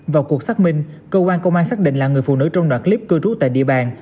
vào cuộc xác minh cơ quan công an xác định là người phụ nữ trong đoạn clip cư trú tại địa bàn